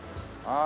ああ。